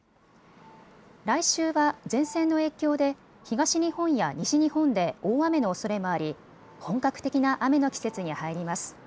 来週は前線の影響で東日本や西日本で大雨のおそれもあり本格的な雨の季節に入ります。